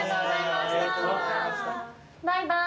バイバーイ。